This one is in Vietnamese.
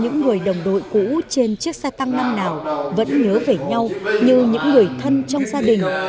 những người đồng đội cũ trên chiếc xe tăng năm nào vẫn nhớ về nhau như những người thân trong gia đình